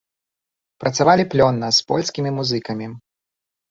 Працавалі плённа з польскімі музыкамі.